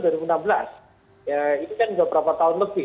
ya ini kan sudah berapa tahun lebih